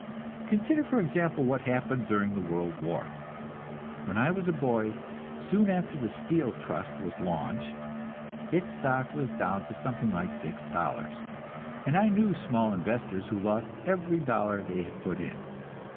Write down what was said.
Consider, for example, what happened during the world war. When I was a boy, soon after the Steel Trust was launched, its stock was down to something like six dollars, and I knew small investors who lost every dollar they had put in.